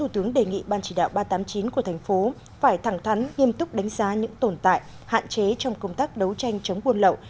tổ chức của thành phố phải thẳng thắn nghiêm túc đánh giá những tồn tại hạn chế trong công tác đấu tranh chống vôn lậu